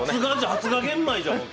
発芽玄米じゃんけ。